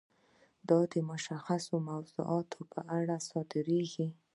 دا د مشخصو موضوعاتو په اړه صادریږي.